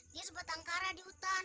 dia sebatang kara di hutan